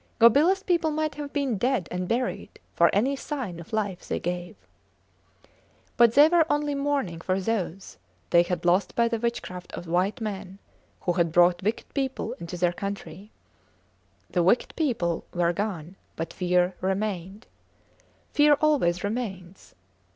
Gobilas people might have been dead and buried for any sign of life they gave. But they were only mourning for those they had lost by the witchcraft of white men, who had brought wicked people into their country. The wicked people were gone, but fear remained. Fear always remains.